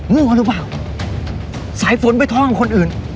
ั่วหรือเปล่าสายฝนไปท้องกับคนอื่น